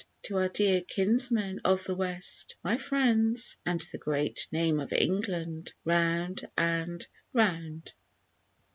To our dear kinsmen of the West, my friends, And the great name of England round and round.